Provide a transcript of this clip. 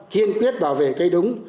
kiên quyết bảo vệ cây đúng